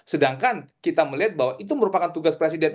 sedangkan kita melihat bahwa itu merupakan tugas presiden